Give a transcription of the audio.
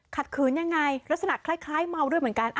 ขืนยังไงลักษณะคล้ายเมาด้วยเหมือนกัน